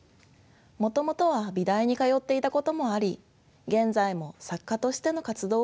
もともとは美大に通っていたこともあり現在も作家としての活動を続けています。